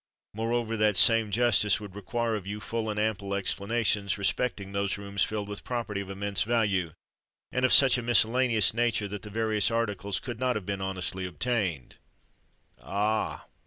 Moreover, that same justice would require of you full and ample explanations respecting those rooms filled with property of immense value, and of such a miscellaneous nature that the various articles could not have been honestly obtained! Ah!